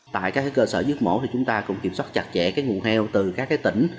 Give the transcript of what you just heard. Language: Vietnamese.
tại các cơ sở giết mổ thì chúng ta cũng kiểm soát chặt chẽ nguồn heo từ các tỉnh